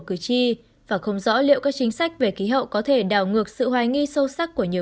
cử tri và không rõ liệu các chính sách về khí hậu có thể đảo ngược sự hoài nghi sâu sắc của nhiều